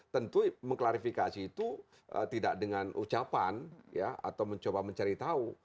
tentu mengklarifikasi itu tidak dengan ucapan atau mencoba mencari tahu